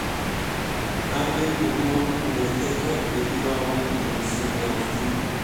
Angle cubrió a Undertaker debido a una intromisión de Austin.